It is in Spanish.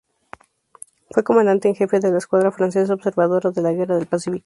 Fue comandante en jefe de la escuadra francesa observadora de la guerra del Pacífico.